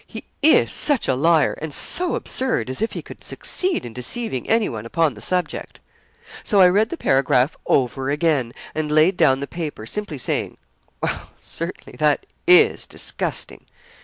He is such a liar; and so absurd, as if he could succeed in deceiving anyone upon the subject.' So I read the paragraph over again, and laid down the paper, simply saying, 'Well, certainly, that is disgusting!'